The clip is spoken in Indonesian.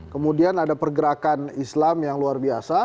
kemudian ada pergerakan islam yang luar biasa